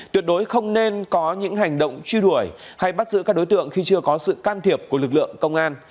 tuyệt đối không nên có những hành động truy đuổi hay bắt giữ các đối tượng khi chưa có sự can thiệp của lực lượng công an